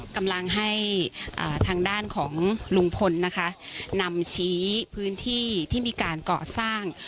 กำลังให้ทางด้านของลุงพลนะคะนำชี้พื้นที่ที่มีการเกาะสร้าง